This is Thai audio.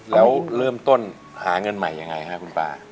แล้วเริ่มต้นหาเงินใหม่ยังไงครับคุณป้า